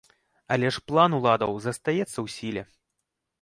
Але ж план уладаў застаецца ў сіле.